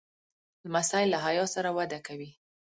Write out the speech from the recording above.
لمسی له حیا سره وده کوي.